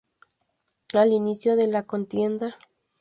Al inicio de la contienda.